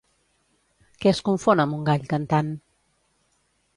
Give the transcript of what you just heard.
Què es confon amb un gall cantant?